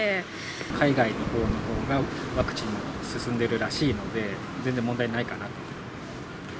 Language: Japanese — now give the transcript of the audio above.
海外のほうのほうが、ワクチンが進んでいるらしいので、全然問題ないかなと。